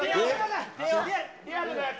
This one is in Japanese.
リアルなやつ。